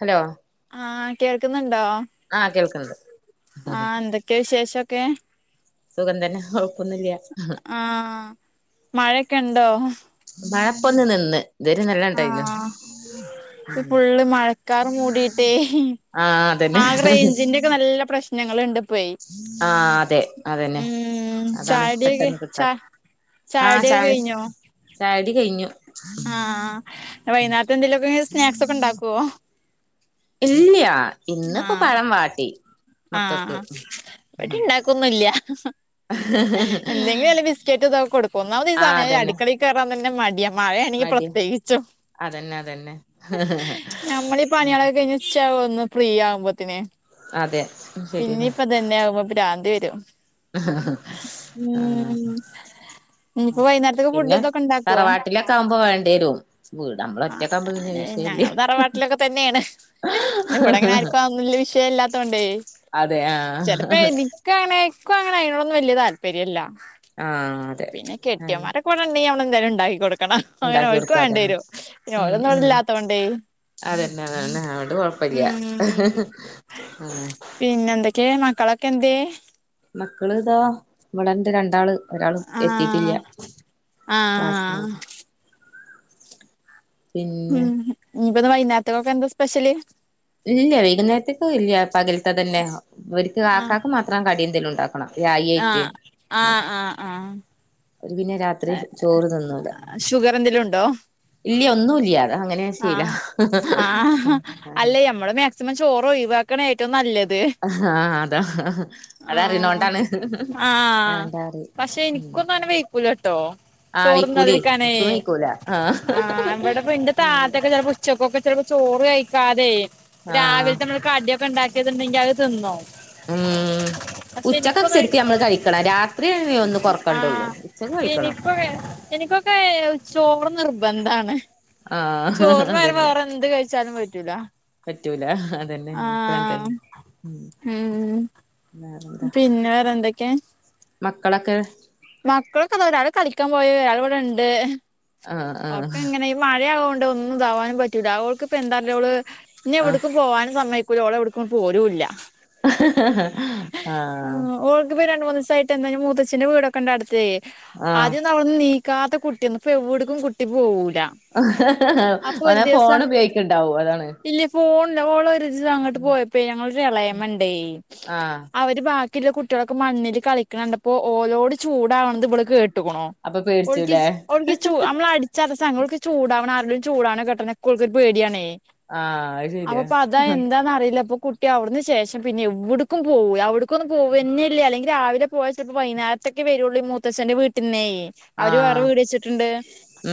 Hello ആഹ് കേൾക്കുന്നുണ്ടോ? ആഹ് കേൾക്ക്ണ്ണ്ട്. ക്കെ വിശേഷൊക്കെ സുഖം തന്നെ കൊഴ്പ്പന്നുല്ല. ആഹ് മഴക്കെ ഇണ്ടോ? മഴ ഇപ്പൊന്ന് നിന്ന് ഇതരെ നല്ല ഇണ്ടായിന്ന് ഇപ്പോ ഫുള്ള് മഴക്കാർ മൂടിയിട്ടേ ആഹ് അതന്നെ ആകെ റേഞ്ചിന്റെ. ക്കെ നല്ല പ്രശ് നങ്ങള്ണ്ട്പ്പെയ് ആഹ് അതെ അതന്നെ ഉം അതാണ് ചായുടിക്കെ പെട്ടെന്ന് ചാ കിട്ടാത്തെ ആഹ് ചായുടിക്കൊ ചായ കഴിഞ്ഞോ? ചായുടി കഴിഞ്ഞു. ആഹ് ആഹ് വൈന്നാരത്തെന്തേലുക്കെ സ്നാക്സ് ഒക്കെ ഇണ്ടാക്കോ? ഇല്ല്യ ഇന്ന് ഇപ്പോ പഴം വാട്ടി. ആഹ് മക്കക്ക് ആഹ് ഇവിടിണ്ടാക്കൊന്നുല്ല്യ എന്തെങ്കിലു വല്ല ബിസ്കെറ്റ് ഇതൊകൊടുക്കും ഒന്നാമത് ഈ ആഹ് സമയം അതന്നെ അടിക്കളി കേറാൻ തന്നെ മടിയ മഴയാണെങ്കി മടിയ പ്രത്യേകിച്ചും അതന്നെ അതന്നെ നമ്മളി പണിളൊകെ കഴിഞ്ഞ് ഉച്ചയാവൊന്ന് ഫ്രീ ഫ്രീ ആവുമ്പോത്തിന്. അതെ ശരിയന്നെ പിന്നിപ്പതന്നെ ആവുമ്പോ പ്രാന്ത് വരും ഹ്ഹ്. ആഹ് ഉം ഇനിയിപ്പോ വൈകുന്നേരത്തേക്ക് ഫുഡ് പിന്നെ ഇതൊക്കെ ഉണ്ടാക്കുവോ തറവാട്ടിലൊക്കെ ആവുമ്പോ വേണ്ടിരും ഇവ്ടെ നമ്മളൊറ്റ അങ്ങനെ ഞങ്ങൾ തറവാട്ടിലൊക്കെ തന്നെണ് ഇവിടെങ്ങനെ ആർക്കും ആ ഒന്നും വല്ല്യ വിഷയല്ലാത്തോണ്ടേ അതെ ചെലപ്പേ ആഹ് എനി ക്കങ്ങനെ എനിക്കുഅങ്ങനെ അയിനോടോന്നു വല്യ താൽപര്യല്ല ആഹ് അതെ പിന്നെ ആന്നെ കെട്ടിയോമാരൊക്കെ ഇവടെണ്ടെങ്കി നമ്മളെന്തേലും ണ്ടാക്കി കൊടുക്കണം അങ്ങനെ ഉണ്ടാക്കി ഓര്ക്ക് കൊടുക്കുക അതന്നെ വണ്ടിരും പിന്നെ ഉം ഓലൊന്നു ഉം ഇവടെല്ലാത്തോണ്ടേ അതന്നെ അതന്നെ അതൊണ്ട് കൊഴപ്പല്ല്യ പിന്നെന്തെക്കെ മക്കളൊക്കെ എന്തേ മക്കള് ഇതാ ഇവടണ്ട്. രണ്ടാള്. ഒരാളും ആഹ് എത്തിട്ടില്യ ആഹ് ക്ലാസിലന്നെ പിന്നെ ഉം ഞ്ഞിപ്പത് വൈന്നാര്ത്തെക്കൊക്കെ എന്താ സ്പെഷ്യല് ഇല്യ വൈകുന്നേരത്തേക്ക് ഇല്യ പകൽത്തെ തന്നെയാ ഇവര്ക്ക് ആഹ് ആക്കാക്ക് മാത്രം കടിയെന്തേലുണ്ടാക്കണം രായായിറ്റ് ആഹ് ആഹ് ആഹ് ആഹ് ഓര്പിന്നെ രാത്രിചോറ് തിന്നൂല ഷുഗർ എന്തെലും ഉണ്ടോ ഇല്യ ഒന്നുല്ല്യ അങ്ങനെയാ ആഹ് ശീലം അങ്ങനെ ചുമ്മ ചോറ് ഒഴിവാക്ണെ ഏറ്റവും നല്ലത് ആഹ് അതാ ആഹ് അതറിണോണ്ടാണ് ആഹ് വേണ്ടാറിം പഷേ ഉം എനിക്കൊന്നു അന്നേവൈ പുലട്ടോ ആഹ് വിക്കൂലേ ചോർന്നാതിരിക്കാനേ ഇക്കും വിക്കൂല ആഹ് ഇവടെപ്പന്റെ അതേപോലെ ചെലപ്പോ ഉച്ചയ്ക്ക് ചെലപ്പം ചോറ് കഴിക്കാതെ ആഹ് രാവിലത്തെ നമ്മള് രാവിൽത്തെമ്മള്.. കടിയൊക്കെണ്ടാക്കിയത്ണ്ടെങ്കി അതു തിന്നോ.. ഉം ഉച്ചക്കശെരിക്ക നമ്മള് കഴിക്കണം. രാത്രി ഒന്ന് കൊറക്കണ്ടുള്ളൂ. ആഹ് ഉച്ചക്ക് കഴിക്കണം.. എനിക്കൊക്കെ എനിക്കൊക്കെ. ചോറ് നിർബന്ധാണ്.. ആഹ് ചോർന് പരം. അതന്നെ വേറെ എന്ത് കഴിച്ചാലും പറ്റൂല.. പറ്റൂല അതന്നെ പോകാൻ ആഹ് കഴിഞ്ഞു ഉം ഉം പിന്നെ വെറെ എന്തക്കെ - മക്കളൊക്കെ.. മക്കളൊക്കേ ഒരാൾ കളിക്കാ പോയി ഒരാളെ ഇവിടെ ഉണ്ട് ആഹ് ഒക്കെ ഇങ്ങനെ ഈ മഴയാവൊണ്ട്. ഒന്നും ഇതാവാനും. പറ്റൂല. ഓൾക്ക്പെ ന്തല്ലോള്.. ആഹ് ഇന്നെവ്ട്ക്ക്. പോവാനും സമ്മയിക്കൂല. ഓളവെടെക്കും പോരുല്ല.. ആഹ് പി രണ്ട് മൂന്നീസായിട്ട് എന്താ മൂത്തച്ഛന്റെ വീടൊക്കെണ്ട അടുത്തേയ്. ആഹ് ആഹ് ആദ്യോന്ന്അവൾ.. നീക്കാത്ത കുട്ടിയന്ന് ഇപ്പ എവിടെക്കും. കുട്ടി പോകൂ ഓനാ ഫോൺ ഉപയോഗിക്ണ്ടാവു. അതാണ്.. ഫോൺല ഓളൊരിസം അങ്ങണ്ട് പോയപ്പേ. ഞങ്ങളൊരെളേമണ്ടേ. ആഹ് അവര് ബാക്കി.. ബാക്കിള്ളകുട്ടിളൊക്കെ മണ്ണിൽ. കളിക്കണണ്ടപ്പോ. ഓലോട് ചൂടാവണത്. ഇവള് കേ.. ട്ടുകുണോ. അപ്പൊ പേടിച്ചുല്ലേ ഓൾകിച്. ഓൾക്കിച്ചു. നമ്മ് ളാ അടി.. ചെലസ ഓൾക്ക് ചൂടാവണ. ആരെചു ടാവ്ണക്കെട്ടക്കെട്ടെനെ ഒക്കെ ഓൾക് പേടിയാണേ.. ആഹ് അത് ശരിയാ അപ്പൊപ്പഅതാ എന്താന്ന അറിയില്ലപ്പൊ.. കുട്ടി അവിട്ന്ന് ശേഷം പിന്നെ എവിട്ക്കുംഴപോവുലര്വ അവിട്ക്കൊന്നും. പോവന്നല്ല്യ. അല്ലെങ്കി.. രാവിലെ പോയാ. ചെലപ്പോ വൈന്നരത്തെക്കെ. വെരുള്ളൂ ഈ മൂത്തച്ഛന്റെ വീട്ടന്നേ. അവര് വേറെ വീട് വെച്ചിട്ട്ണ്ട്.. ൊ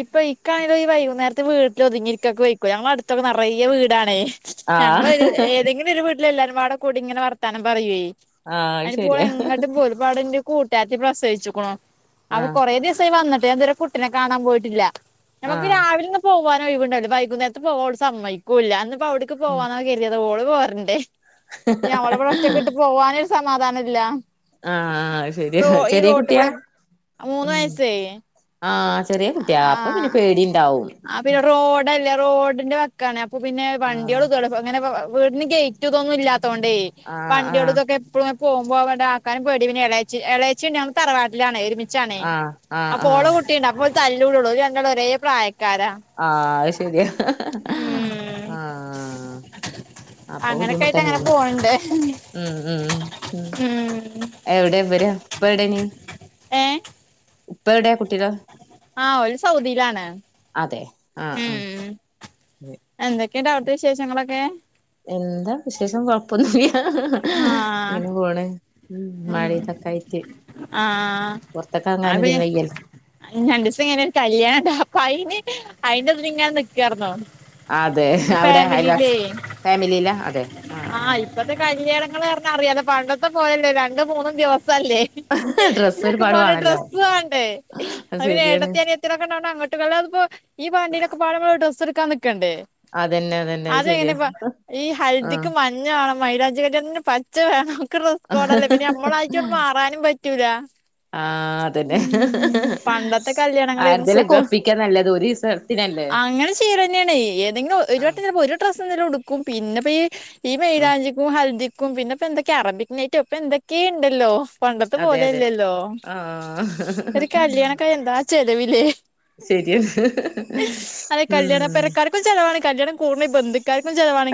ഇപ്പം ഇക്കായത് ഈ വൈകുന്നേര്ത്ത് വീട്ടില് ഒതുങ്ങിരിക്കൊക്കൊയ്ക്കോ ഞങൾ അട്ത്തൊക്കെ ന്നറയെ വീടാണേ ആഹ് ഞങ്ങളൊരു ഏതെങ്കിലും ഒരു വീട്ടില് എല്ലാരുംബാടെ കൂടി ഇങ്ങനെ വർത്താനം പറയെ ആഹ് അത് അയ്ന്പ്പോള് ശരിയാ എങ്ങട്ട് പോരും വടന്റെ കൂട്ടാര്ത്തി പ്രസവിച്ചിക്ക്ണു അപം ആഹ് കൊറേ ദിവസായി വന്നിട്ട് ഞാൻ തെരേ ട്ടിനെ കാണാം പോയിട്ടില്ല നമുക്ക് ആഹ് രാവിൽന്നും പോവാനാ ഒഴിവുണ്ടാക് വൈകുന്നേര്ത്ത് പോട് സമ്മയ്ക്കൂല്ല അന്ന് പ്പോ ഔട്ക്ക് ഉം പോവാന്നാ കര്തിത് ഓള് പോരണ്ടേ പിന്നെ ഓളബടെ ഒറ്റക്ക്ട്ട് പോവാനൊര് സമാധാനല്ല ആഹ് ആഹ് അത് ശരിയാ ചെറീയ കുട്ടിയാ കൂടെ മൂന്ന് വയസ്സേ ആഹ് ചെറീ കുട്ടിയാ അപ്പം പിന്നെ ആഹ് പേടിണ്ടാഉം ആഹ് പിന്നെ റോഡല്ലേ റോഡിന്റെ വക്കാണ് അപ്പ പിന്നെ ആഹ് വണ്ടികളു [unintelligible] പ്പ അങ്ങനെ പ്പ വ് ഔ വീട്ന് ഗയ്റ്റുംതൊന്നും ഇല്ലാത്തോണ്ടേ ആഹ് ആഹ് വണ്ടികൾകൊക്കെ എപ്പളും പോഉബോ വടേ ആക്കാനും പേടി പിന്നെ എളേച്ചി എളേച്ചിണ്ട് അമ് തറവാട്ടിലാണ് എരുമി ച്ചാണേ ആഹ് ആഹ് അപ്പ ഓള ആഹ് കുട്ടിണ്ട് അപ്പൊ തല്ലൂടുള്ളൂ ഓല് രണ്ടാളും ഒരേ പ്രായക്കാരാ ആഹ് അത് ശെരിയാ ആഹ് അപ്പ അങ്ങനൊക്കെ ആയിട്ട് അങ്ങനെ ബുദ്ധിമുത്തന്നേണ് പോണണ്ട് ഉം ഉം ഉം എവിടെ വരുക ഇപ്പ എവിടാണ് [unintelligible] ഉപ്പ എവിടെ കുട്ടികൾ ആഹ് ഓല് സൗദീലാണ് അതെ ആഹ് ഉം ആഹ് ഉം എന്തൊക്കെണ്ട് ഔടെത്തെ വിശേഷങ്ങളൊക്കെ എന്താ വിശേഷം കൊഴപ്പൊന്നുല്ല ആഹ് ഇങ്ങനെ പോണ് മ് ഉം മഴിംതൊക്കായിട്ട് ആഹ് പൊർത്ത്ക്കെർങ്ങാൻ ഇതിന് വെയ്യല്ലോ ഇഞണ്ടീസം കയ്ഞാ ഒര് കല്ല്യാണണ്ട് അപ്പ അയ്ന് അയ്ന്റെതില് ഇങ്ങനെ ന്ന്ക്കാർന്നു അതെ അവിടെ അയൽവാസി ഫേമിലിലാ അതെ ആഹ് ആഹ് ഇപ്പത്തെ കല്ല്യാണങ്ങള് അർഞാ അറിയാലൊ പണ്ടത്തെ പോലല്ല രണ്ടും മൂന്നും ദിവസ അല്ലേ ഡ്രസ്സ് ഒരുപാട് ഇനൊക്കപ്പാടെ വാണല്ലോ ഡ്രസ്സ് വാണ്ടേ അത് പിന്നെ ഏട്ടത്തിം അനിയത് ത്തിളൊക്കെ ള്ളോണ്ട് അങ്ങട്ട്കല്ല്യാൺപ്പോ ഈ പാണ്ടീനൊക്കപാടെ അമ്മള് ഡ്രസ്സ്ട്കാൻ ന്ന്ക്കേണ്ടേ അതന്നെ അതന്നെ അത് ശരിയാ അതെങ്ങനെപ്പ ഈ ആഹ് ഹൽദിക്ക് മൻ ഞ്ഞാണം മൈലാഞ്ചി കല്ല്യാൺത്തിന് പച്ച വേണം ഒക്കെ ഡ്രസ്കോടല്ലേ പിന്നെഅമ്മളായ്റ്റണ്ട് മാറി വാനും പറ്റൂലാ ആഹ് അതന്നെ പണ്ടത്തെ കല്യാണങ്ങളായിരുന്നു ആര്തേലൊക്കെ ഒപ്പിക്കാ ന്നല്ലത് ഒരീസം അങ്ങന ചെയ്യലെന്നേണ് ഏതെങ്കിലും ഒരു ആഹ് വട്ടം ങ്ങനെപ്പോരും ഡ്രസ്സെന്തേലും ഉടുക്കും പിന്നെപ്പഈ ഈ ആഹ് മെയ്ലാഞ്ചിക്കും ഹൽദി ക്കും പിന്നെപ്പ എന്തൊക്കെ അറബിക് നൈറ്റോ ഇപ്പ എന്തൊക്കെ ഇണ്ടല്ലോ പണ്ടത്ത അതെ പോലെ അതെ എല്ലല്ലോ ആഹ് ഒര് കല്ല്യാണൊക്കെആയാ എന്താ ചെലവ് ലേ ശെരിയ. മ്മ്ഹ്.. പെരക്കാര്ക്കും ചെലവാാണ് കല്ല്യാണം കൂട്ണെ ഈ ബന്ധ്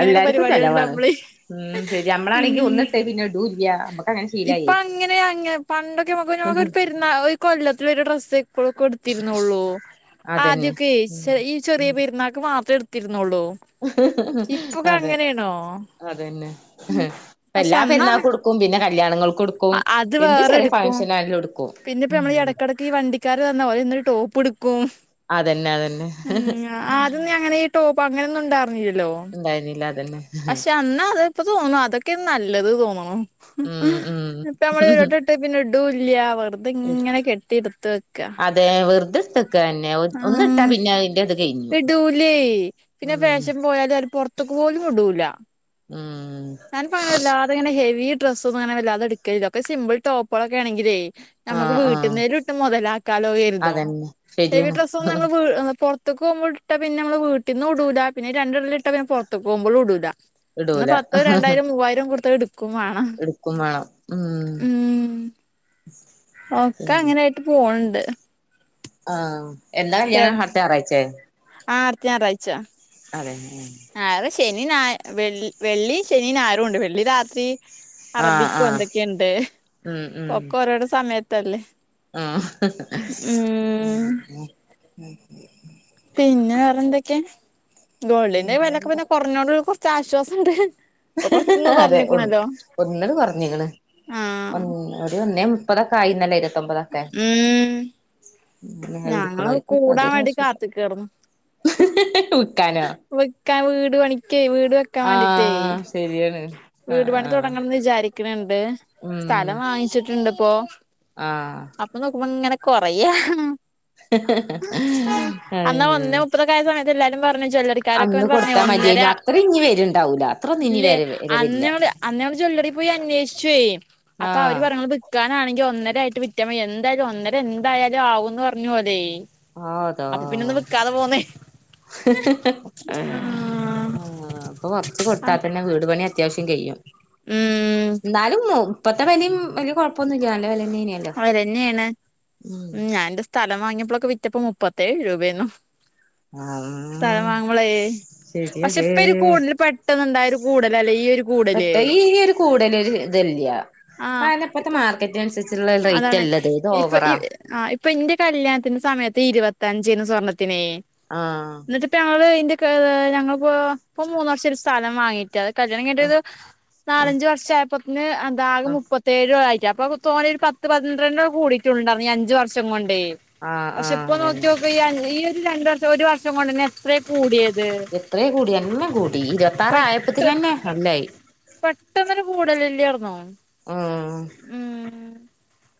എല്ലാര്ക്കും ചെലവാണ് മ് ശെരി അമ്മളാണെങ്കി ഒന്ന്ട്ടേ പിന്നെ ഇടൂല്യാ ഇപ്പ അങ്ങനെ അങ്ങെ പണ്ടൊക്കെ ന്നമുക്കൊഞോക്കൊര് പെര്ന്നാ ഒരു കൊല്ലത്തിലൊരു ഡ്രസ്സെ ക്കെ ഉട്ത്തിര്ന്നുള്ളൂ അതന്നെ ആദ്യൊക്കെ ഉം ഈ ചെറിയ ഉം പെരുന്നാൾക്ക് മാത്രേ ട് ത്തിരുന്നോള്ളൂ അതെ അതന്നെ പക്ഷെ പ്പെഎല്ലാ അന്നാ പെര്ന്നാക്ടു ക്കും പിന്നെ കല്ല്യാണങ്ങൾക്ക് ഇട്ക്കും അത് എന്ത് വേറെ ചെറിയ ഫംഗ്ഷനായാലും ഇട്ക്കും കെഈ വണ്ടിക്കാാര് വന്നാ ഓലെന്ന് ഒര് ടോപ്പ് ഇട്ക്കും അതെന്നെ അതെന്നെ ആദ്യൊന്നും അങ്ങന ഈ ടോപ്പ് അങ്ങനൊന്നും ഇണ്ടാറ് ന്നില്ലല്ലോ ഉണ്ടായ്ന്നില്ല അതന്നെ പക്ഷെ അന്ന അത് ഇപ്പ തോന്നും അതൊക്കെ നല്ലത് തോന്ന്ണു ഉം ഉം ഇപ്പ ഞമ്മള് ഒരട്ടട്ട് ട്ടത് പിന്നെ ഇടൂല്ല്യ വെർതെ ഇങ്ങനെ കെട്ടി ഇട്ത്ത് വെക്ക്അ പ്പം വെർ തെട്ത്തെ ആഹ് കഴിഞ്ഞു ഇടുലെ പിന്നെ ഉം ഫേഷം പോയാല് അവര് പുറത്ത് പൊറത്ത്ക്ക് പോലും ഇടൂല ഉം ഞാനിപ്പ അങ്ങനെ വല്ലാതെങ്ങനെ ഹെവി ഡ്രസ്സ് ഒന്നും അങ്ങന വാല്ലാതെ എടുക്കലില്ല ഒക്കെ സിമ്പിൾ ടോപ്പുകളൊക്കെ ആണെങ്കിലേ നമുക്ക് ആഹ് ആഹ് വീട്ടുന്നേലും ഇട്ട് മുതലാക്കാലോ കരുതും അതന്നെ ഹെവി ശരിയാണ് ഡ്രസ്സോന്നും നമ്മൾ വീട്ട് പുറത്തക്ക് പോക്പോ ഇട്ടാ പിന്നെ നമ്മള് വീട്ടന്ന് ഇടൂല പിന്നെ രണ്ടിടലിട്ടാ പിന്നെ പുറത്തു പോക്പോൾ ഇടൂല ഇടൂല ഇത് രണ്ടായിരം മൂവായിരം കൊടുത്തടുക്കും വേണം എടുക്കും വേണം ഉം ഉം ഒക്കെ അങ്ങനൊയായിട്ട് പോണണ്ട് ആഹ് എന്നാ കല്യാണം അടുത്ത ഞായറാഴ്ച്ചേ ആഹ് അടുത്തഞാറാഴ്ച അതെ ഉം ഞായർ ശനി ഞായർ വെള്ളി ശനി ഞായറും ഉണ്ട് വെള്ളി രാത്രി ആഹ് ആഹ് അറബിക്കൊഎന്തൊക്കെയുണ്ട് ഉം ഉം പൊക്കെ ഓരോരൊ സമയത്തല്ലേ ഉം ആഹ് പിന്നെ വേറെ എന്തൊക്കെ ഗോൾഡിന്റെ വെലൊക്കെ പിന്നെ കുറഞ്ഞോണ്ട് കുറച്ച് ആശ്വാസം ഉണ്ട് ഹ് ഹ്ഹ് അതെ ഒ ഒന്നട് പറഞ്ഞള് ആഹ് ഒന്ന് ഒരു ഒന്നേ മുപ്പതൊക്കെ ആയിന്നല്ലേ ഇരുപത്തൊമ്പതൊക്കെ ഉം ഞങ്ങള് ഇടുക്കണവർക്ക് കൂടാൻ അതൊരു വേണ്ടി ആശ്വാസം ഹ്‌ ഹ് ഹ് വിക്കാൻ വീട് പണിക്കേ വീട് വെക്കാൻ വേണ്ടീട്ടേ ആഹ് ശരിയാണ് വീടു ആഹ് പണി ആഹ് തുടങ്ങണംന്ന് വിചാരിക്കണണ്ട് സ്ഥലം വാങ്ങിച്ചിട്ടുണ്ട് ഇപ്പോ ആഹ് അപ്പൊ നോക്കുമ്പോ ഇങ്ങനെ കൊറയാ ഹ് ഹ് ഹ് അന്നാ ആഹ് [unintelligible] സമയത്ത് എല്ലാരും പറഞ്ഞു ജ്വല്ലറി കുടിക്കാരൊക്കെ അന്ന് ഇങ്ങനെ പറഞ്ഞു കൊടുത്താ ഒന്നര മതിയായിരുന്നു അത്ര ഇനി വരുണ്ടാവൂല അത്രൊന്നും ഇനി ഇല്ലേ വര അന്ന് വരവില്ല ഞങ്ങള് അന്ന് ഞങ്ങൾ ജ്വല്ലറി പോയി അന്വേഷിച്ചു അപ്പൊ അവര് ആഹ് പറഞ്ഞത് വിക്കാനാണെങ്കിൽ ഒന്നര ആയിട്ട് വിറ്റാമതി എന്തായാലും ഒന്നര എന്തായാലും ആവുംന്ന് പറഞ്ഞു ഓല് അപ്പൊ പിന്നെന്ന് വിക്കാതെ പോന്ന് ഹ് ഹ് ഹ് ആഹ് ഇപ്പൊ കൊറച്ച് കൊടുത്താ തന്നെ വീട് പണി അത്യാവശ്യം കയിയും ഉം ഇന്നാലും ഇപ്പത്തെ വെലയും വലിയ കുഴപ്പൊന്നുമില്ല നല്ലവെല വിലന്നെയാണ് ഉം ഞാന്റെ സ്ഥലം വാങ്ങിയപ്പോഴൊക്കെ വിറ്റപ്പോ മുപ്പത്തേഴ് രൂപയന്നും ആഹ് സ്ഥലമാങ്ങ്പളേ പക്ഷെ ശരിയല്ലേ ഇപ്പ കൂടുതൽ പ പെട്ടന്ന് ഉണ്ടായ ഒരു കൂടലാല്ലെ ഈ ഒരു കൂടല് പെട്ടെ ഈ ഒരു കൂടുല് ഇതില്ല ആഹ് അതെന്നെ ഇപ്പത്തെ ഇപ്പ മാർ റ്റ് അനുസരിച്ചുള്ള റേറ്റ് അതാണ് അല്ലത് ഇത് ഇപ്പൊ ഈ ഓവറാ ആഹ് ഇപ്പൊ ഇന്റെ കല്യാണത്തിന്റെ സമയത്ത് ഇരുപത്തിയഞ്ച് യെന്നു സ്വർണത്തിനേ ആഹ് എന്നിട്ട്പ്പോ ഞങ്ങള് ഇന്റെക്കാ ഞങ്ങളിപ്പോ ഇപ്പ മൂന്ന് വർഷം ഒരു സ്ഥലം വാങ്ങീട്ട് അത് കല്യാണം കഴിഞ്ഞിട്ട് ആഹ് ഒരു ആഹ് നാലഞ്ച് വർഷ ആയപ്പതിന് എന്താ ആകെ ആഹ് മുപ്പത്തി പത്തേഴോ ആയിട്ട് അപ്പൊ തോന്നിയ ഒരു പത്ത് പന്ത്രണ്ടോ കൂടിയിട്ടുണ്ടായി അഞ്ചു വർഷം കൊണ്ടേ ആഹ് പക്ഷെ ഇപ്പൊ ആഹ് അതന്നെ നോക്കിയോക്ക് ഈ ഈ ഒരു രണ്ട് വർഷം ഒരു വർഷം കൊണ്ട്ന്നെ എത്രേ കൂടിയത് എത്രെ കൂടി എല്ലാം കൂടി ഇരുപത്താറആയപ്പത്തി തന്നെ എല്ലായി പെട്ടന്ന്ഒരു കൂടലാല്യർന്നോ ഉം ഉം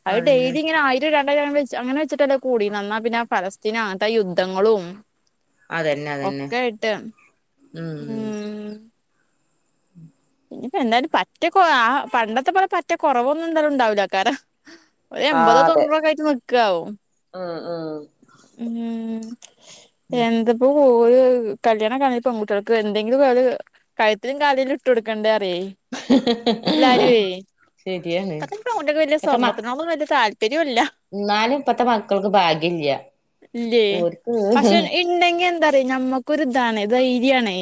അത് അതന്നെ ഡെയിലി ഇങ്ങനെ ആയി രണ്ടായിര വെ അങ്ങനെ വെച്ചിട്ടല്ലോ കൂടിന്നാ പിന്നെ ഫലസ്തിൻ അങ്ങനത്തെ യുദ്ധങ്ങളും അതന്നെ അതന്നെ ഒക്കെയായിട്ട് ഉം ഇനിയിപ്പ എന്തായാലും പറ്റക്ക്‌ പണ്ടത്തെ പോലെ പറ്റ കുറവൊന്നും എന്തായാലും ഉണ്ടാവില്ലക്കാരം ഒരു ആഹ് എമ്പതോ അതെ തൊണ്ണൂറോക്കെ ആയിട്ട് നിക്കാവും ഉം ഉം ഉം എന്ത് പ് പ്പൊഓര് കല്യാണക്കഴിഞ പെൺകുട്ടികൾക്ക് എന്തെങ്കിലും കഴുത്തിലും കാതിലും ഇട്ട് കൊടുക്കേണ്ടേ അറിയേ എല്ലാരേ ശരിയാണ് ഇപ്പത്തെ പെൺകുട്ട്യേക്ക് വല്യ സ്വർണ്ണത്തിനോട്‌ വല്യ താല്പര്യം തരൂല്യ എന്നാനും ഇപ്പത്തെ മക്കൾക്ക് ഭാഗ്യല്ല ഓര്ക്ക് എന്താ പറയ നമ്മുക്കൊരിതാണ് ധൈര്യാണേ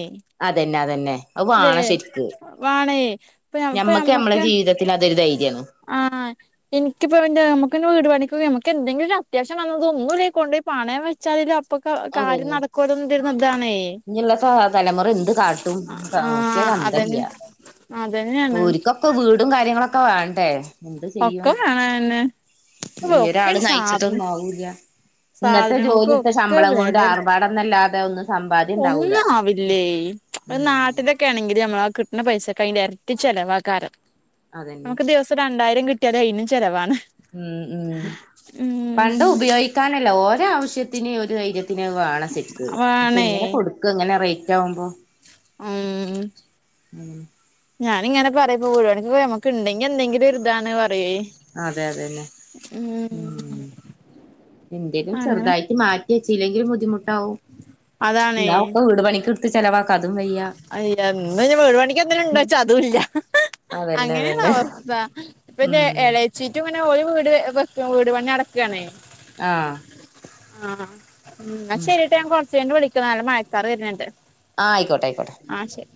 അതന്നെ അതന്നെ അത് ല്ലേ വാണം ശരിക്ക്‌ വാണേ ഇപ്പ ഞമ്മക്ക് നമ്മടെ ജീവിതത്തിന് അതൊരു ധൈര്യാണ് ആഹ എനിക്കിപ്പം നമുക്കെന്നെവീട് പണിക്ക്‌ നമുക്ക് എന്തങ്കിലും അത്യാവശ്യം വന്നത് ഒന്നുല്ലേ കൊണ്ട് പോയി പണയം ച്ചാല് അപ്പൊക്കെ കാര്യം അതന്നെ നടക്കൊല്ലോ ഇതാണേ ഇഞ്ഞിള്ള തലമുറ എന്ത് കാട്ടും നോക്കിയാ ആഹ അതന്നെ അന്തല്ല അതന്നെയാണ് ക്ക്‌ വീടും കാര്യങ്ങളൊക്കെ വേണ്ടെ ഒക്കെ കാണാന്നെ ഈ ഒരാള് നയിച്ചിട്ടൊന്നും ആവൂല്ല ഇന്നത്തെ സാധനങ്ങൾക്കും ജോലിയെടുത്ത ഒക്കെ ശമ്പളം കൊണ്ട് വെല ആർ പടന്നല്ലാതെ ഒന്ന് ഒന്നും ആവില്ലേ ഒരു ഉം നാട്ടില് ണെങ്കി നമ്മള് കിട്ടണ പൈസക്ക് അതിന്റെ ഇരട്ടി ചെലവാക്കാരം അതന്നെ നമുക്ക്‌ ദിവസം രണ്ടായിരം കിട്ടിയാ അയിനും ചെലവാണ് ഉം ഉം പണ്ടം ഉം ഉപയോഗിക്കാനല്ല ഓരോ ആവശ്യത്തിന് ഒരു ധൈര്യ ത്തിന് വേണം ശരിക്ക് പക്ഷെ വേണേ ഇങ്ങനെ കൊടുക്ക ഇങ്ങനെ റൈറ്റാവുമ്പോ ഉം ഉം ഞാനിങ്ങെനെ പറയപ്പോ പോഴവാണ ഉണ്ടെങ്കി എന്തെങ്കിലൊരിതാണെ പറയേ അതെ അതന്നെ ഉം എന്തെങ്കിലും അങ്ങനെ ചെറുതായിട്ട് മാറ്റി വെച്ചി ലെങ്കിൽ ബുദ്ധിമുട്ടാവും എന്ന ഒക്കെ വീട് പണിക്ക് ക്ക്ചെലവാക്കാ അയ്യങ്ങനെ വീട് പണിക്ക് എന്തിന്നും ഇണ്ടോച്ച അതുല്ല അതന്നെ അതന്നെ അങ്ങനെയാണവസ്ഥ ഉം ഇപ്പൻ്റെഎളേ ചീറ്റും ഇങ്ങനെ ഒരു വീട് വെക്ക വീട് പണി നടക്കാണേ ആഹ ആഹ എന്ന ശരിട്ടോ ഞാൻ കൊറച്ച് കഴിഞ് വിളിക്കാ നല്ല മഴക്കാറ് വരുന്നുണ്ട് ആ ആയിക്കൊട്ടെ ആയിക്കൊട്ടെ ആഹ ശരി